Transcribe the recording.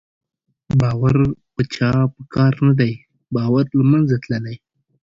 باور په چا په کار نه دی، باور له منځه تللی